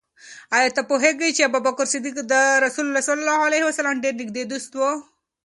آیا ته پوهېږې چې ابوبکر صدیق د رسول الله ص ډېر نږدې دوست و؟